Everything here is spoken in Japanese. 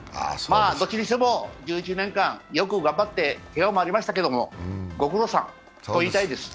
どっちにしても１１年間、よく頑張って、けがもありましたけど、ご苦労さんと言いたいです。